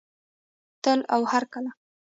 تل او هرکله.